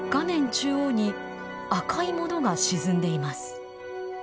中央に赤いものが沈んでいます。